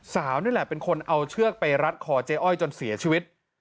สาวนี่แหละเป็นคนเอาเชือกไปรัดคอเจ๊อ้อยจนเสียชีวิต